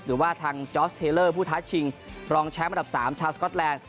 หรือว่าทางจอร์สเทลเลอร์ผู้ท้าชิงรองแชมป์อันดับ๓ชาวสก๊อตแลนด์